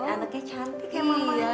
anaknya cantik kayak mamanya